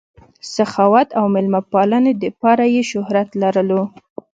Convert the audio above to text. سخاوت او مېلمه پالنې دپاره ئې شهرت لرلو